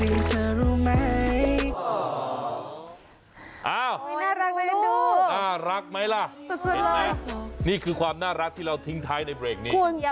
น่ารักมั้ยล่ะนี่คือความน่ารักที่เราทิ้งท้ายในเบรกนี้